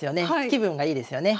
気分がいいですよね。